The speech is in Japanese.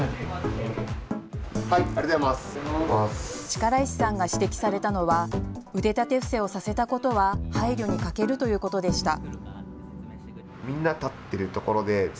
力石さんが指摘されたのは腕立て伏せをさせたことは配慮に欠けるということでした。